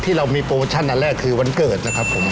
เรามีโปรโมชั่นอันแรกคือวันเกิดนะครับผม